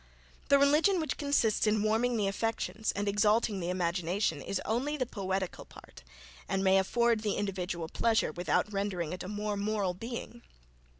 The religion which consists in warming the affections, and exalting the imagination, is only the poetical part, and may afford the individual pleasure without rendering it a more moral being.